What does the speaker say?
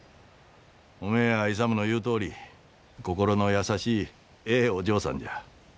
おめえや勇の言うとおり心の優しいええお嬢さんじゃ。